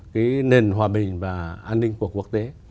cái nền hòa bình và an ninh của quốc tế